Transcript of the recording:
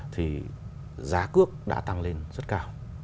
thì giá cước đã tăng lên rất cao